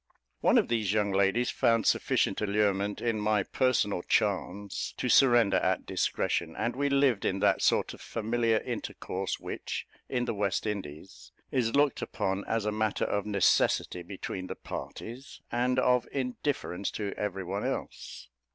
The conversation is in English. One of these young ladies found sufficient allurement in my personal charms to surrender at discretion, and we lived in that sort of familiar intercourse which, in the West Indies, is looked upon as a matter of necessity between the parties, and of indifference by every one else.